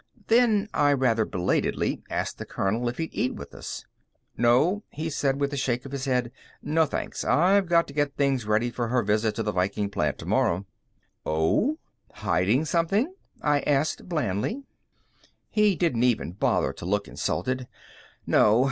Then I rather belatedly asked the colonel if he'd eat with us. "No," he said, with a shake of his head. "No, thanks. I've got to get things ready for her visit to the Viking plant tomorrow." "Oh? Hiding something?" I asked blandly. He didn't even bother to look insulted. "No.